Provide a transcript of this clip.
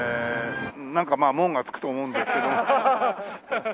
なんかまあ門がつくと思うんですけど。